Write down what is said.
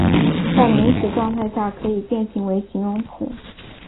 在名词状态下可以变形为形容词。